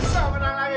sudah menang lagi